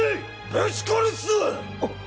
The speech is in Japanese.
ぶち殺すぞ！